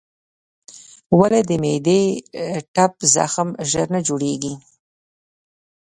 ولې د معدې ټپ زخم ژر نه جوړېږي؟